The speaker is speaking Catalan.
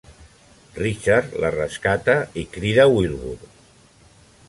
Richard la rescata i crida Wilbur.